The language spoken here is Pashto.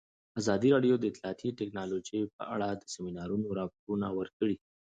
ازادي راډیو د اطلاعاتی تکنالوژي په اړه د سیمینارونو راپورونه ورکړي.